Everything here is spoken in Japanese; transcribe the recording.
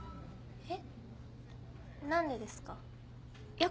えっ？